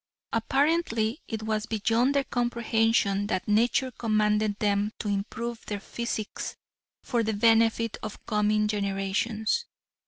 Apparently it was beyond their comprehension that nature commanded them to improve their physiques for the benefit of coming generations.